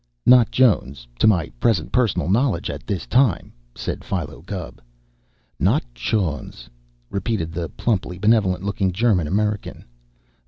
"Not Jones, to my present personal knowledge at this time," said Philo Gubb. "Not Chones!" repeated the plumply benevolent looking German American.